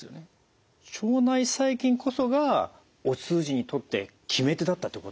腸内細菌こそがお通じにとって決め手だったということ？